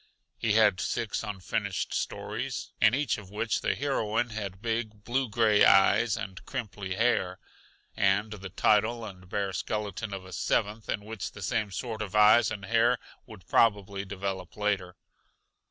He had six unfinished stories, in each of which the heroine had big, blue gray eyes and crimply hair, and the title and bare skeleton of a seventh, in which the same sort of eyes and hair would probably develop later.